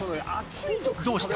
どうした？